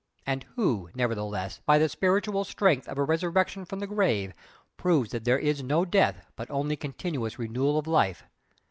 and who, nevertheless, by the spiritual strength of a resurrection from the grave, proves that there is no death but only continuous renewal of life!